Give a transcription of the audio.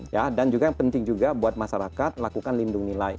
ya dan juga yang penting juga buat masyarakat lakukan lindung nilai